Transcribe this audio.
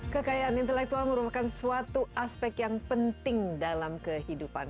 kekayaan intelektual merupakan suatu aspek yang penting dalam kehidupan